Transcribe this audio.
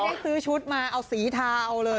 ให้ซื้อชุดมาเอาสีทาเอาเลย